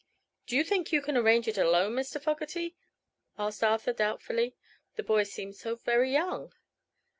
"Do you think you can arrange it alone, Mr. Fogerty?" asked Arthur, doubtfully. The boy seemed so very young.